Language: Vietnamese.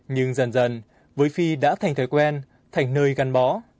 nhưng dần dần với phi đã thành thói quen thành nơi gắn bó